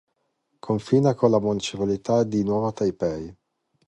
Confina con la municipalità di Nuova Taipei.